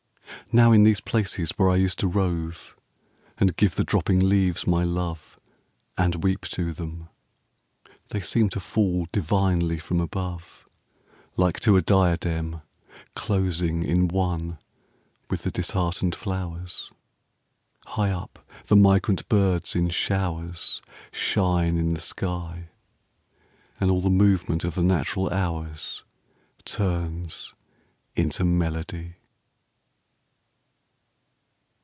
Now in these places where I used to rove And give the dropping leaves my love And weep to them, They seem to fall divinely from above, Like to a diadem Closing in one with the disheartened flowers. High up the migrant birds in showers Shine in the sky, And all the movement of the natural hours Turns into melody.